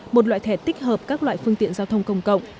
một loại thẻ tích hợp các loại phương tiện giao thông công cộng